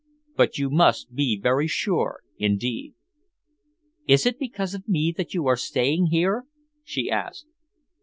But you must be very sure indeed." "Is it because of me that you are staying here?" she asked.